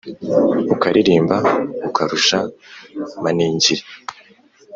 Ukaririmba ukarusha maningiri